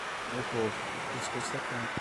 meu povo, o cuscuz tá pronto!